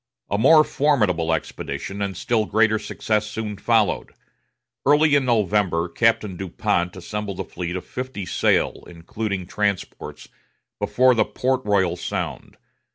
A more formidable expedition, and still greater success soon followed. Early in November, Captain Du Pont assembled a fleet of fifty sail, including transports, before Port Royal Sound.